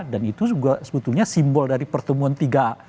dan itu sebetulnya simbol dari pertemuan tiga